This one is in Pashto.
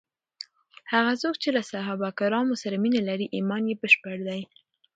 هغه څوک چې له صحابه کرامو سره مینه لري، ایمان یې بشپړ دی.